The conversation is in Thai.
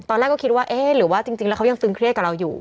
ตอนแรกก็คิดว่าเอ๊ะหรือว่าจริงแล้วเขายังตึงเครียดกับเราอยู่